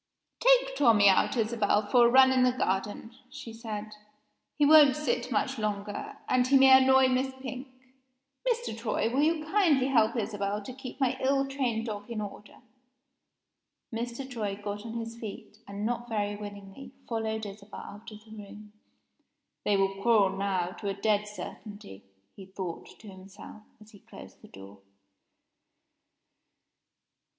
"Take Tommie out, Isabel, for a run in the garden," she said. "He won't sit still much longer and he may annoy Miss Pink. Mr. Troy, will you kindly help Isabel to keep my ill trained dog in order?" Mr. Troy got on his feet, and, not very willingly, followed Isabel out of the room. "They will quarrel now, to a dead certainty!" he thought to himself, as he closed the door.